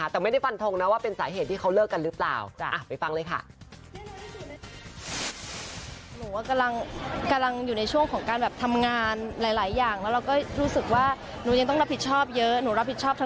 แต่ไม่ได้ฝันทรงนะว่าเป็นสายเหตุที่เค้าเลิกกันหรือเปล่า